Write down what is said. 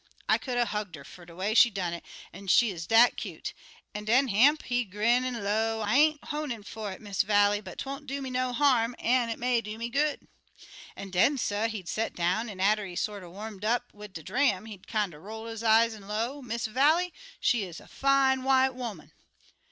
I could a hugged 'er fer de way she done it, she 'uz dat cute. An' den Hamp, he'd grin an' low, 'I ain't honin' fer it, Miss Vallie, but 'twon't do me no harm, an' it may do me good.' "An' den, suh, he'd set down, an' atter he got sorter warmed up wid de dram, he'd kinder roll his eye and low, 'Miss Vallie, she is a fine white 'oman!'